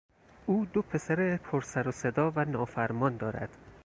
او دو پسر پر سر و صدا و نافرمان دارد.